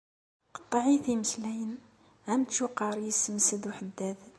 Qeṭṭiεit imeslayen, am tcuqar i yessemsed uḥeddad.